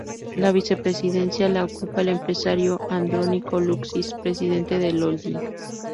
La vicepresidencia la ocupa el empresario Andrónico Luksic, presidente del holding.